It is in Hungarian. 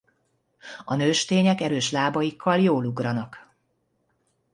A nőstények erős lábaikkal jól ugranak.